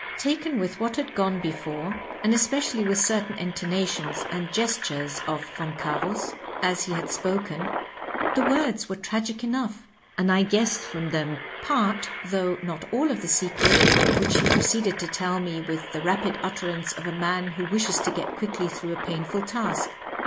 '' Taken with what had gone before, and especially Digitized by VjOOQIC' 126 THE ACTION T(X TEE WORD. with certain intonationg and gestures of Von, as he had spoken, the words were tragic enough, and I guessed from them part, though not all of the sequel, which he proceeded to tell me with the rapid utterance of a man who wishes to get quickly through a painful task.